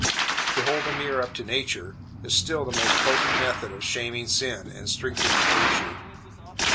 "To hold the mirror up to Nature," is still the most potent method of shaming sin and strengthening virtue.